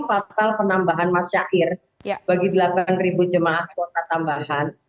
ini adalah faktor penambahan mas syair bagi delapan ribu jemaah kuota tambahan